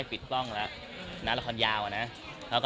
พักข่อนเยอะขึ้นเราก็ก็